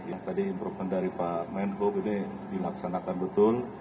ya tadi improvement dari pak menko begini dilaksanakan betul